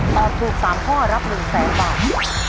ตอบถูกสามข้อรับหนึ่งแสนบัง